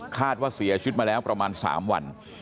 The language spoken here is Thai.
คาดว่าเสียชีวิตมาแล้วประมาณ๓วัน